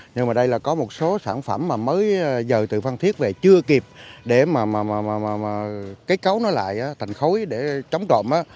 nhưng mà đây là có một số sản phẩm mà mới giờ tự phân thiết về chưa kịp để mà cái cấu nó lại thành khối để trống trộm